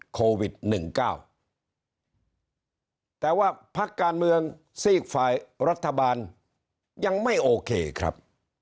โควิดหนึ่งเก้าแต่ว่าภาคการเมืองซีกฝ่ายรัฐบาลยังไม่ครับ